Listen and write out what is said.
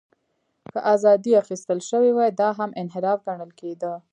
که ازادۍ اخیستل شوې وې، دا هم انحراف ګڼل کېده.